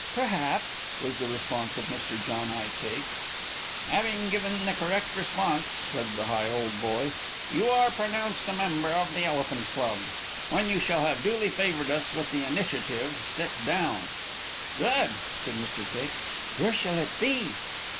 "Perhaps," was the response of Mr. John I. Cake. "Having given the correct response," said the Higholdboy, "you are pronounced a member of the Elephant Club, when you shall have duly favored us with the initiative sit down." "Good!" said Mr. Cake, "where shall it be?"